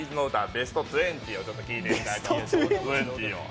ベスト２０を聴いてみたいと思います。